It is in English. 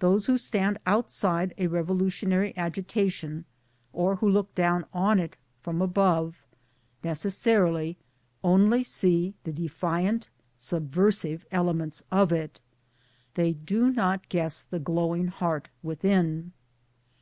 Those who stand outside a revolutionary agitation, or who look down on it from above, necessarily only see the defiant subversive elements of it, they do not guess the glowing heart within.